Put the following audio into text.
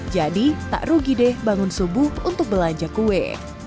jadi tak rugi deh bangun subuh untuk belanja kue